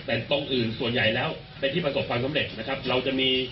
แต่ตรงอื่นส่วนใหญ่แล้วเป็นที่ประสบความสำเร็จนะครับเราจะมี